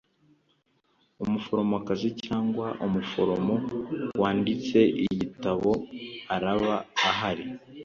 umuforomokazi cyangwa umuforomo wanditse ikigitabo araba ahari